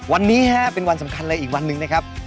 วันนี้ฮะเป็นวันสำคัญเลยอีกวันหนึ่งนะครับ